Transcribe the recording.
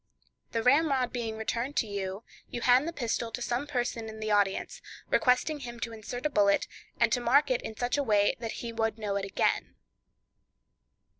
The ramrod being returned to you, you hand the pistol to some person in the audience, requesting him to insert a bullet, and to mark it in such a way that he would know it again.